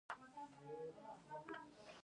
خاوره د افغانستان د ځمکې د جوړښت یوه ښکاره نښه ده.